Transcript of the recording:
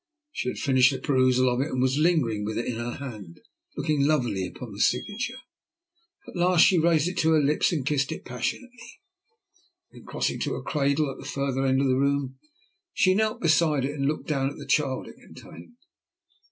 She had finished the perusal of it and was lingering with it in her hand, looking lovingly upon the signature. At last she raised it to her lips and kissed it passionately. Then, crossing to a cradle at the further end of the room, she knelt beside it and looked down at the child it contained.